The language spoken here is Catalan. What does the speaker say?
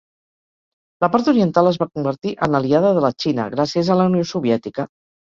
La part oriental es va convertir en aliada de la Xina gràcies a la Unió Soviètica.